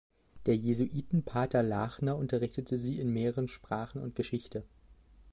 Der Jesuitenpater Lachner unterrichtete sie in mehreren Sprachen und Geschichte.